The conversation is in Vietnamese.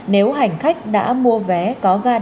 nếu hành khách đã mua vé có ga điện thoại